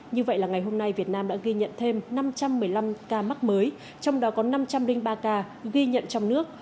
như vậy là ngày hôm nay việt nam đã ghi nhận thêm năm trăm một mươi năm ca mắc mới trong đó có năm trăm linh ba ca ghi nhận trong nước